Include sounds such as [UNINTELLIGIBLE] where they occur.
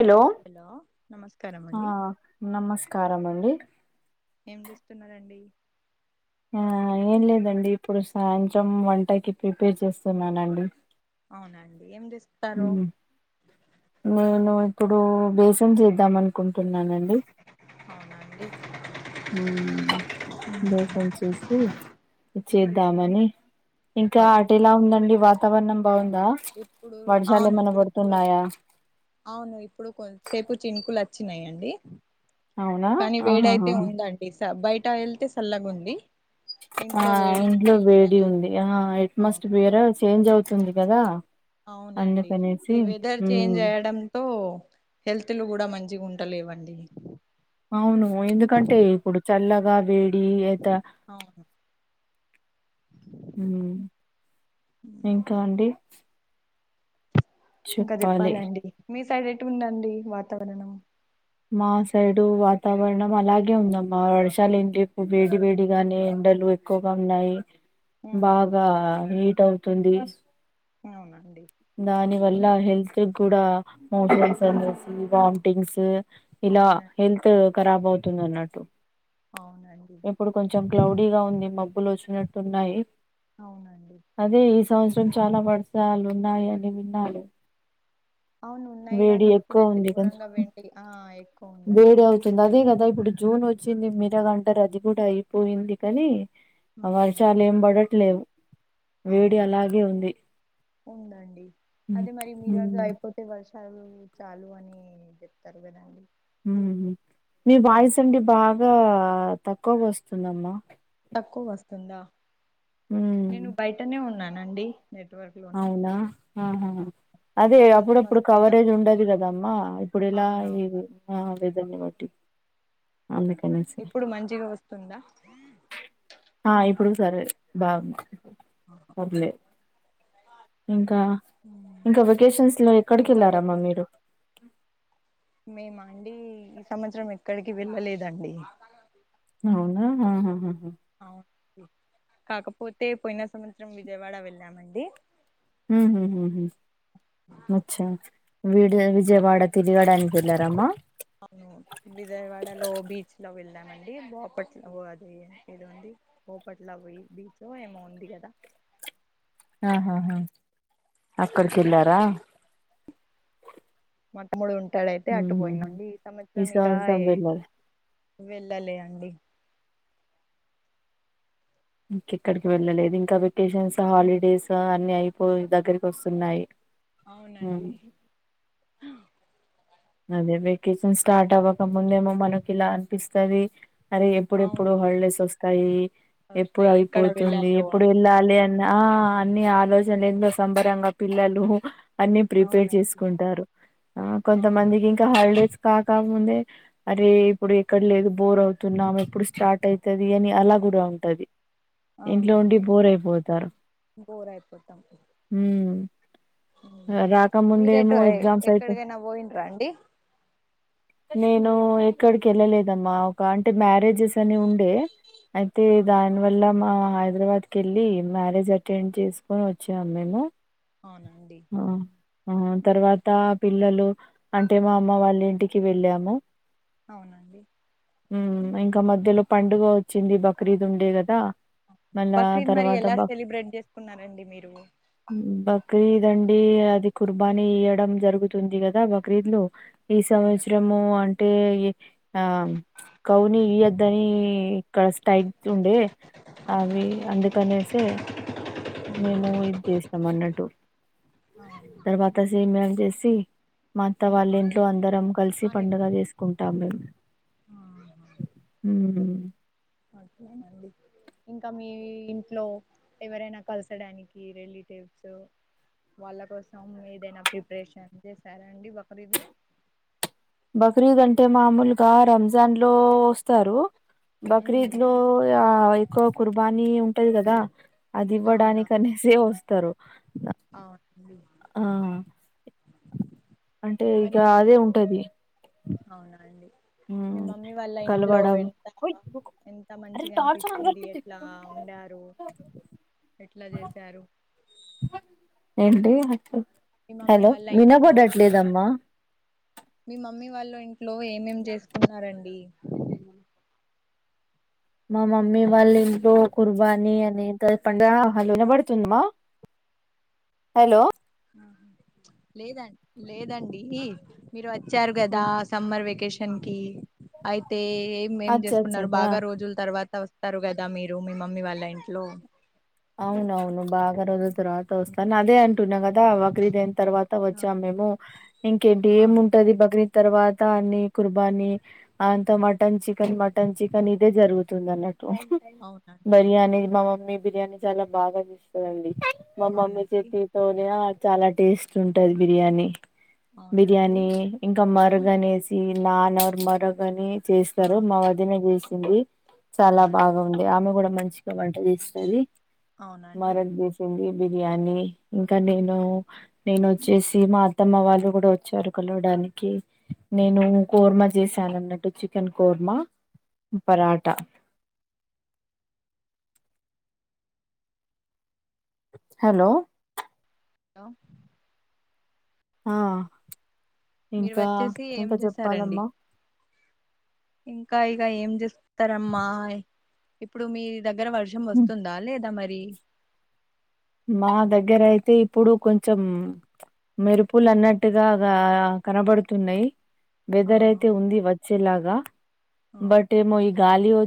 Hello నమస్కారం ఆ అండి నమస్కారం అండి ఏం చేస్తున్నారండి ఆ ఏం లేదండి ఇప్పుడు సాయంత్రం వంటకి ప్రిపేర్ చేస్తున్నామండి అవునా అండి ఏంచేస్త మ్ నేను ఇప్పుడు బేసన్ చేద్దామను కుంటున్నామండి అవునండి మ్ బేసం చేస్తూ ఆహా చూద్దామని ఇంకా అవును అటు ఎలా ఉందండి వాతావరణం బాగుందా ఇప్పుడు వర్షాలు ఏమైనా అవునండి ఇప్పుడు పడుతున్నాయా అవును ఇప్పుడు కొంచేపు చినుకులు వచ్చ వచ్చినాయండి అవునా కానీ వేడయితే ఆహాహా ఉందండి బయట వెళ్తే సళ్లగుంది ఆ ఇంట్లో వేడి ఉంది ఆ అవును అట్మాస్పియర్ చేంజ్ అవుతుంది కదా అవునండి అందుకనేసి ఈ వెదర్ చేంజ్ ఉమ్ అయడంతో హెల్త్ లు కూడా మంచిగుంటలేవండి అవును ఎందుకంటే ఇప్పుడు చల్లగా వేడి ఏత అవును మ్ ఇంకా అండి ఇంకా చెప్పాలి చెప్పాలండి మీ సైడ్ ఎటు ఉందండి వాతావరణం మా సైడు వాతావరణం అలాగే ఉందమ్మా వర్షాలు ఏంపు వేడి వేడిగానే ఎండ ఎక్కువగా ఉన్నాయి ఉహు బాగా హీట్ అవుతుంది అవునండి దాని వల్ల హెల్త్ కి కూడా మోషన్స్ అనేసి వామ్టింగ్స్ ఇలా అవున హెల్త్ కరాబ్ అవుతుంది అన్నట్టు అవునండి క్లౌడీ గా ఉంది మబ్బులు వచ్చినట్టు ఉన్నాయి అవునా అండి సంవత్సరం చాలా వర్షాలు ఉన్నాయి అని విన్నాలే అవును ఉన్నాయి గానీ ఇప్పుడైతే ఉంది కదా కూూరంగా వెండి ఆ ఎక్కువ ఉందండి వేడి అవుతుంది అదే కదా ఇప్పుడు జూన్ వచ్చింది మిగతాదంతా రద్దు కూడా అయిపోయింది కానీ అ ఆహా వర్షాలు ఏం పడట్లేవు వేడి అవును అలాగే ఉంది ఉందండి మ్ మ్ చాలు చాలు అని చెప్తారు కదా అండి ఊహు మీ వాయిస్ అండి బాగా తక్కువగా వస్తుందమ్మా తక్కువ వస్తుందా నేను ఉమ్, బయటనే ఉన్నానండి నెట్వర్క్ లోనే అవునా ఆహా ఆ, అదే ఇప్పుడు కొంచెం అప్పుడప్పుడు వస్తుందా కవరేజ్ ఉండదు కదమ్మా ఇప్పుడు ఇలా అవునవును ఇది ఆ వెదర్ ని బట్టి అందుకనేసి ఇప్పుడు మంచిగా వస్తుందా ఆ అయి ఇప్పుడు నుంచి అదే బాగుంది పర్లేదు ఇంకా ఉమ్. ఇంకా వెకేషన్స్ లో ఎక్కడికి ఇంకా వెళ్ళారమ్మా మీరు మేము అండి ఈ సంవత్సరం ఎక్కడికి వెళ్ళలేదండి అవునా అహ హ హ అ కాకపోతే పోయినా సంవత్సరం విజయవాడ వెళ్ళామండి మ్ హు హు అచ్చా విీడి విజయవాడ తిరగడానికి వెళ్లారమ్మా అవును విజయవాడ లో బీచ్ లో వెళ్దామండి బోప్పట్లో అది ఇది ఉంది పోో పట్లా పోయి బీచ్ ఒ ఏమొ ఉంది కద [INAUDIBLE] ఆహా హ అక్కడికేల్లారా మా తమ్ముడు ఉంటాడైతే అటు పోయిన ఉహుహు అండి ఈ సంవత్సరం ఇగ ఏ వెళ్ళాలే అండి ఇంకెక్కడికి వెళ్ళలేదు ఇంకా వెకేషన్స్ హాలిడేస్ అన్ని అయిపోయి దగ్గరికి వస్తున్నాయి అవునండి ఉమ్ అదే వెకేషన్ స్టార్ట్ అవ్వక ముందేమో మనకి ఇలా అనిపిస్తుది అరే అవును ఎప్పుడెప్పుడు మాటలు హల్లెస్ వస్తాయి ఎప్పుడు వస్తాయి ఎక్కడ అయిపోతుంది వెళ్ళాలో ఎప్పుడు అని వెళ్ళాలి అని ఆ అన్ని ఆలోచనలు ఏన్నో సంబరంగా పిల్లలు అన్ని ప్రిపేర్ అవునండి చేసుకుంటారు ఆ కొ అవునండి ఇంకా హాలిడేస్ కాకముందే అరే ఇప్పుడు ఎక్కడ లేదు బోర్ అవుతున్నాం ఎప్పుడు స్టార్ట్ అయి తది అని అలా కూడా ఉంటది ఇంట్లో ఉండి అవునండి బోర్ అయిపోతారు బోర్ అయిపోతాం మ్ రాకముందేమో మీరెటు ఎగ్జామ్స్ అయితే ఎక్కడికైనా పోయిండ్రా అండి నేను ఎక్కడికి వెళ్ళలేదమ్మా ఒక అంటే మ్యారేజ్ అని ఉండే అయితే ఆ దాని వల్ల మా హైదరాబాద్ కే మ్యారేజ్ అటెండ్ చేసుకొని వచ్చాం మేము అవునండి ఆ ఆ తర్వాత పిల్లలు అంటే మా అమ్మ వాళ్ళ ఇంటికి వెళ్ళాము అవునండి ఉమ్, ఇంకా మధ్యలో పండుగ వచ్చింది బక్రీద్ ఉండే కదా మళ్ళా బక్రీద్ మరి తర్వాత ఎలా బ సెలబ్రేట్ చేసుకున్నారండి మీరు బ బక్రీద్ అండి అది కుర్బానీ ఇయ్యడం జరుగుతుంది కదా బక్రీద్లో ఈ అవునా సంవత్సరము అంటే ఈ ఆ కౌని ఈ య్యోద్దని క్క స్టైప్స్ ఉండే అవి అందుకనేసే మేము ఇది చేస్తాం అన్నట్టు తర్వాత సీమ్యలు చేసి మా అత్త వాళ్ళ ఇంట్లో అందరం కలిసి అవునా పండుగ చేసుకుంటాం మేము మ్మ్. ఇంకా మీ మీ ఇంట్లో ఎవరైనా కలసడానికి రిలేటివ్స్ వాళ్ళ కోసం ఏదైనా ప్రిపరేషన్ చేసారండి బక్రీద్ లో బక్రీద్ అంటే మామూలుగా రంజాన్ లో వస్తారు బక్రీద్ అవునా లో ఆ ఎక్కువ కుర్బానీ ఉంటది కదా అది ఇవ్వడానికి అనేసే వస్తారు ఆవునా అండి ఆ అంటే ఇగ అదే ఉంటది అవునా అండి మీ ఉమ్, మమ్మీ వాళ్ళ ఇంట్లో కలవడం ఏళ్తారా ఎంత అరే మంచిగా టార్చ్ ఆన్ అనిపించింది దొరికింది ఎట్లా ఉండారు ఎట్లా చేసారు ఏంటి మీ మమ్మీ హలో వాళ్ళ ఇంట్లో ఏమే వినబడట్లేదమ్మా మీ మమ్మీ వాళ్ళ ఇంట్లో లో ఏమేమ్ చేసుకున్నారండి మా మమ్మీ హలో వాళ్ళ ఇంట్లో కుర్బాని అ హలో [UNINTELLIGIBLE] పడుతుందిమా హలో లేదండి లేదండి మీరు వచ్చారు కదా సమ్మర్ వెకేషన్ కి అయితే ఏం ఏం అచ్చ చేసుకున్నారు అచ్చ బాగా రోజుల తర్వాత స్తరు కదా మీరు మీ మమ్మీ వాళ్ళ ఇంట్లో అవునవును బాగ రోజుల తరువాత వస్తా అదే అంటున్న గదా బక్రీద్ అ తర్వాత ఆ వచ్చాం మేము ఇంకేంటి ఆ ఏముంటది బక్రీద్ తర్వాత అన్ని కుర్బానీ అంత మటన్ చికెన్ మటన్ చికెన్ ఇదే జరుగుతుంది అన్నట్టు అవునండి బిర్యానీ మా మమ్మీ బిర్యానీ చాలా బాగా చేస్తదిండి మా మమ్మీ అవునండి చేతితోనే చాలా టేస్ట్ ఉంటది బిర్యానీ అవునండి బిర్యానీ ఇంకా మరగ అనేసి నాన్వర్ మరగ అని ఆ చేస్తారు మా వదినే చేసింది చాలా అవునా బాగా వుంది ఆమె కూడా మంచిగా వంట చేస్తది అవునండి మారక్ చేసింది బిర్యానీ ఇంకా నేను నేను వచ్చేసి మా అత్తమ్మ వాళ్ళు కూడా వచ్చారు కలవడానికి నేను కోర్మ చేశాను అన్నట్టు చికెన్ కోర్మ మా పరాఠ హలో హలో ఆ మీరు ఇంకా వచ్చేసి ఏం ఇంకా చేసారండి చెప్పాలమ్మా ఇంకా ఇగ ఏం చేస్తారమ్మా ఇప్పుడు మీ దగ్గర వర్షం వస్తుందా లేదా మరి మా దగ్గర అయితే ఇప్పుడు కొంచెం మెరుపులు అన్నట్టుగా గా కనబడుతున్నాయి వెదర్ ఆహా! అయితే ఉంది వచ్చేలాగా ఆ! బట్ ఏమో ఈ గాలి వచ్చి